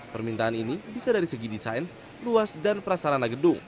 permintaan ini bisa dari segi desain luas dan prasarana gedung